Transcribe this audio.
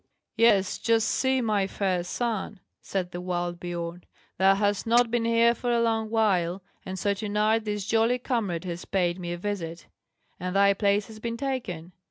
"Yes, just see, my fair son," said the wild Biorn; "thou hast not been here for a long while, and so to night this jolly comrade has paid me a visit, and thy place has been taken.